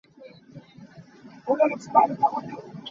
Porhlawt hi san a tlai lo.